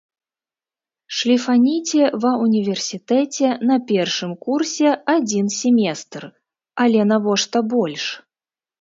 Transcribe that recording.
Шліфаніце ва ўніверсітэце на першым курсе адзін семестр, але навошта больш?